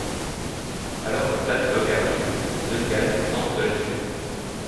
Alors que Flat Dog arrive, Duncan tente de la tuer.